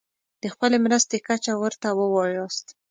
د خپلې مرستې کچه ورته ووایاست.